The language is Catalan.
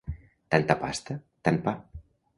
Tanta pasta, tant pa.